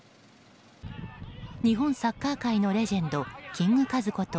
日本サッカー界のレジェンドキングカズこと